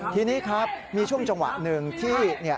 ทีนี้ครับมีช่วงจังหวะหนึ่งที่